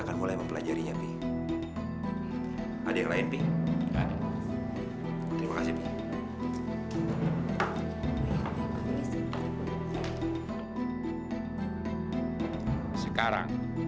lagi ngaji biasa